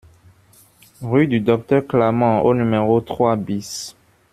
Rue du Docteur Clament au numéro trois BIS